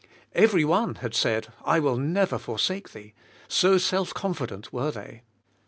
Every one had said, '•I will never forsake Thee," so self confident were they.